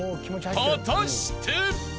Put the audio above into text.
果たして？］